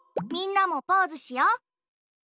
みんなもポーズしよ。